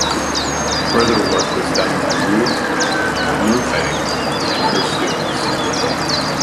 Further work was done by Ruth Moufang and her students.